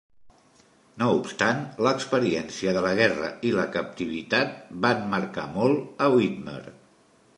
No obstant, l'experiència de la guerra i la captivitat van marcar molt a Widmer.